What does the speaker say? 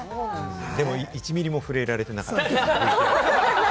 でも１ミリも触れられてなかった。